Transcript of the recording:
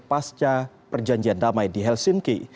pasca perjanjian damai di helsinki